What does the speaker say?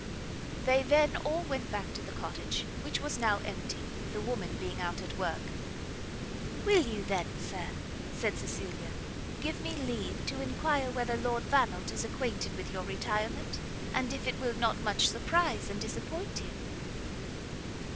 They then all went back to the cottage, which was now empty, the woman being out at work. "Will you then, Sir," said Cecilia, "give me leave to enquire whether Lord Vannelt is acquainted with your retirement, and if it will not much surprize and disappoint him?"